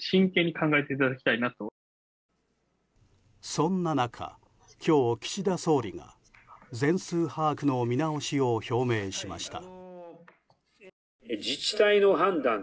そんな中、今日、岸田総理が全数把握の見直しを表明しました。